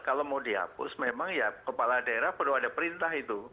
kalau mau dihapus memang ya kepala daerah perlu ada perintah itu